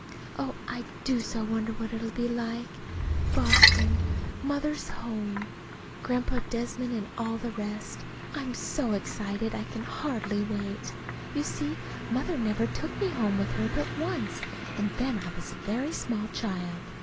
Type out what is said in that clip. Oh, I do so wonder what it'll be like Boston, Mother's home, Grandpa Desmond, and all the rest. I'm so excited I can hardly wait. You see, Mother never took me home with her but once, and then I was a very small child.